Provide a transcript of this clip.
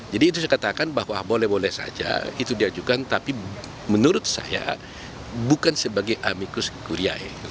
jadi itu saya katakan bahwa boleh boleh saja itu diajukan tapi menurut saya bukan sebagai amikus kuri